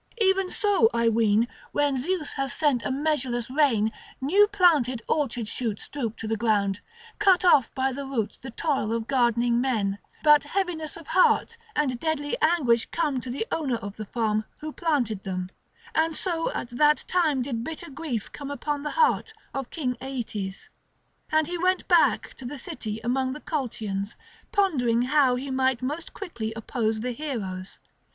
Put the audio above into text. Even so, I ween, when Zeus has sent a measureless rain, new planted orchard shoots droop to the ground, cut off by the root the toil of gardening men; but heaviness of heart and deadly anguish come to the owner of the farm, who planted them; so at that time did bitter grief come upon the heart of King Aeetes. And he went back to the city among the Colchians, pondering how he might most quickly oppose the heroes.